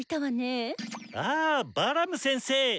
ああバラム先生！